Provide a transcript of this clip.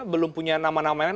belum punya nama namanya